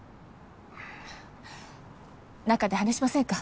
中で話しませんか？